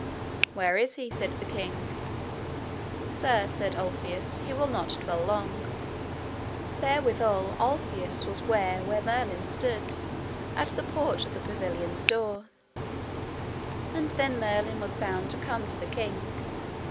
Where is he? said the king. Sir, said Ulfius, he will not dwell long. Therewithal Ulfius was ware where Merlin stood at the porch of the pavilion's door. And then Merlin was bound to come to the king.